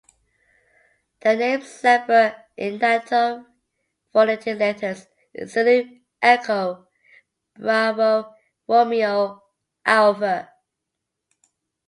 The name Zebra in Nato phonetic letters is Zulu, Echo, Bravo, Romeo, Alfa.